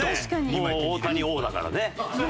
もう大谷王だからね。